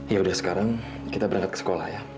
ya udah sekarang kita berangkat ke sekolah ya